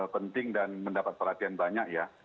penting dan mendapat perhatian banyak ya